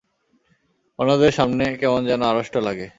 অন্যদের সামনে কেমন যেন আড়ষ্ট লাগে।